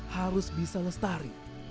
harus bisa lestari